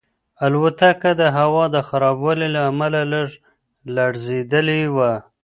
الوتکه د هوا د خرابوالي له امله لږه لړزېدلې وه.